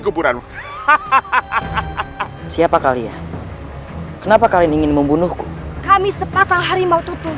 kuburanmu hahaha siapa kalian kenapa kalian ingin membunuhku kami sepasang harimau tutu